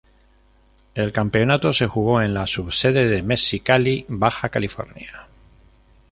El campeonato se jugó en la subsede de Mexicali, Baja California.